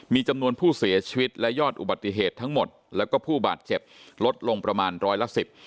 มีจำนวนผู้เสียชีวิตและยอดอุบัติเหตุทั้งหมดแล้วก็ผู้บาดเจ็บลดลงประมาณร้อยละสิบ